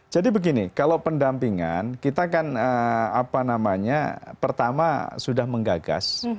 jadi begini kalau pendampingan kita kan pertama sudah menggagas